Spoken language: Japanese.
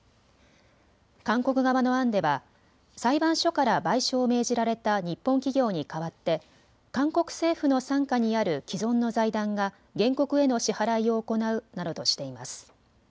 韓国側の案では裁判所から賠償を命じられた日本企業に代わって韓国政府の傘下にある既存の財団が原告への支払いを行うなどとしています。